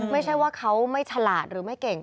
ไม่ใช่ว่าเขาไม่ฉลาดหรือไม่เก่ง